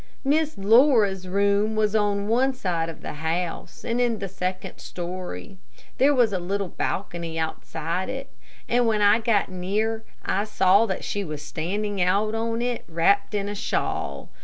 Miss Laura's room was on one side of the house, and in the second story. There was a little balcony outside it, and when I got near I saw that she was standing out on it wrapped in a shawl.